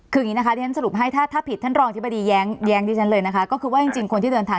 คืออย่างงี้ที่ฉันสรุปให้ถ้าผิดท่านรองอธิบดีแย้งเดี๋ยวแน่นเลย